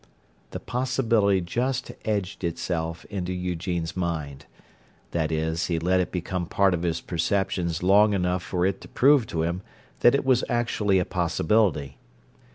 The possibility just edged itself into Eugene's mind; that is, he let it become part of his perceptions long enough for it to prove to him that it was actually a possibility.